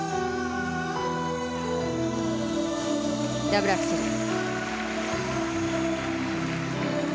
ダブルアクセル。